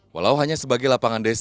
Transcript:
walau hanya sebagai lapangan desa